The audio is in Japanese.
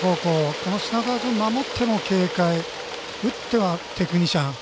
この品川君は守っても軽快打ってはテクニシャン。